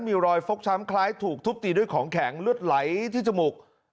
มีรอยฟกช้ำคล้ายถูกทุบตีด้วยของแข็งเลือดไหลที่จมูก